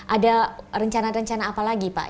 ada rencana rencana apa lagi pak